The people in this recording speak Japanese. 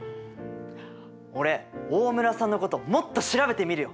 俺大村さんのこともっと調べてみるよ！